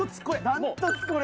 断トツこれ？